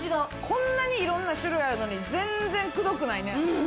こんなにいろんな種類あるのに全然くどくないね。